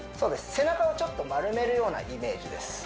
背中をちょっと丸めるようなイメージです